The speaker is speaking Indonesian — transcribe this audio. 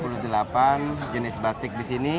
ada tujuh puluh delapan jenis batik di sini